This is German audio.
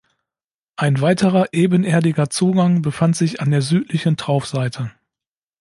Ein weiterer ebenerdiger Zugang befand sich an der südlichen Traufseite.